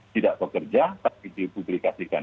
tidak bekerja pasti dipublikasikan